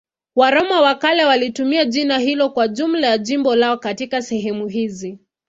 Waroma wa kale walitumia jina hilo kwa jumla ya jimbo lao katika sehemu hizi.